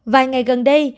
vài ngày gần đây